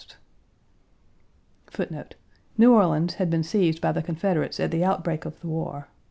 New Orleans had been seized by the Confederates at the outbreak of the war.